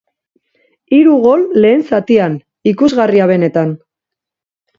Hiru gol lehen zatian, ikusgarria benetan.